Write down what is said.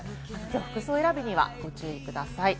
服装選びにはご注意ください。